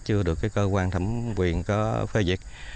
chưa được cơ quan thẩm quyền có phê diệt